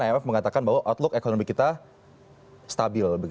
imf mengatakan bahwa outlook ekonomi kita stabil